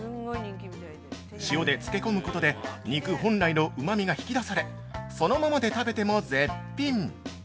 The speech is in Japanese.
塩で漬け込むことで肉本来のうまみが引き出され、そのままで食べても絶品。